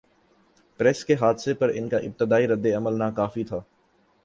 Paris کے حادثے پر ان کا ابتدائی رد عمل ناکافی تھا۔